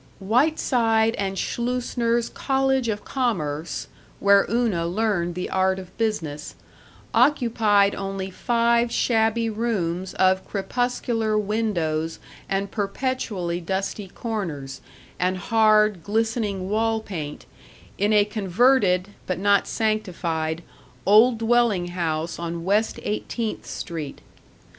§ 4 Whiteside and Schleusner's College of Commerce, where Una learned the art of business, occupied only five shabby rooms of crepuscular windows and perpetually dusty corners, and hard, glistening wall paint, in a converted (but not sanctified) old dwelling house on West Eighteenth Street.